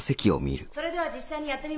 それでは実際にやってみましょう。